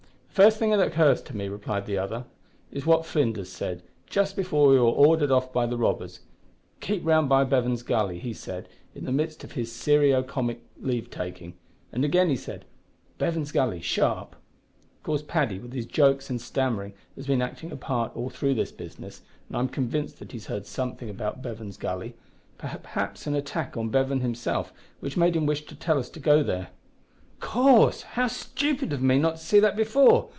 "The first thing that occurs to me," replied the other, "is what Flinders said, just before we were ordered off by the robbers. `Keep round by Bevan's Gully,' he said, in the midst of his serio comic leave taking; and again he said, `Bevan's Gully sharp!' Of course Paddy, with his jokes and stammering, has been acting a part all through this business, and I am convinced that he has heard something about Bevan's Gully; perhaps an attack on Bevan himself, which made him wish to tell us to go there." "Of course; how stupid of me not to see that before!